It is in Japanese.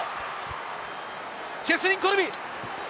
チェスリン・コルビ！